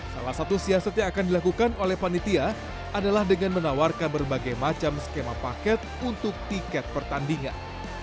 salah satu siasat yang akan dilakukan oleh panitia adalah dengan menawarkan berbagai macam skema paket untuk tiket pertandingan